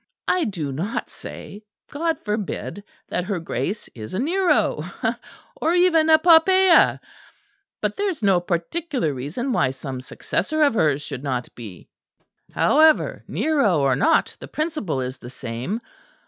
I do not say (God forbid) that her Grace is a Nero, or even a Poppæa; but there is no particular reason why some successor of hers should not be. However, Nero or not, the principle is the same.